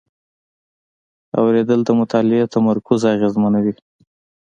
اورېدل د مطالعې تمرکز اغېزمنوي.